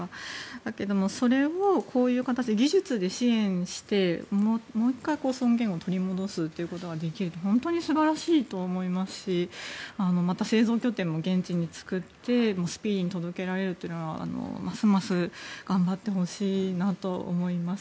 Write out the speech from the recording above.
だけど、それをこういう形で技術で支援してもう１回、尊厳を取り戻すということができるのは本当に素晴らしいと思いますしまた、製造拠点も現地に作ってスピーディーに届けられるというのはますます頑張ってほしいなと思います。